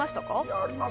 あります